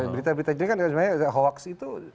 berita berita ini kan sebenarnya hoax itu